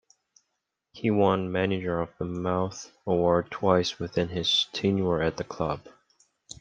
He won Manager of the Month Award twice within his tenure at the club.